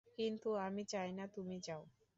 কিন্তু আমি চাই না তুমি যাও।